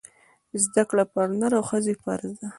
زده کړه پر نر او ښځي فرځ ده